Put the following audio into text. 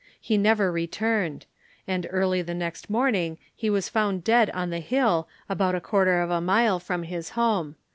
He never returned; and early the next morning he was found dead on the hill, about a quarter of a mile from his home.